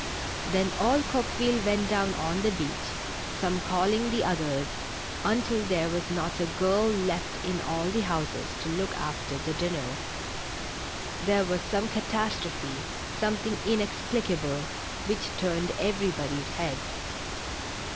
Then all Coque ville went down on tlie beach, some calling the oth ers, until there was not a girl left in all the houses to loolc after the dinner. There was some catastrophe, something inexplicable, which turned everybody's head.